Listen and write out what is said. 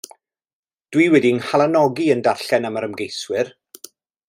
Dw i wedi 'nghalonogi yn darllen am yr ymgeiswyr.